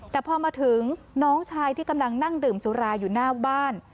แต่พอมาถึงน้องชายที่กำลังนั่งดื่มสุราอยู่หน้าบ้าน